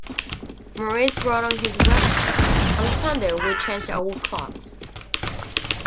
Morris wrote on his website, On Sunday, we changed our clocks.